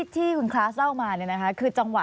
ที่คุณคลาสเล่ามาเนี่ยนะคะคือจังหวะ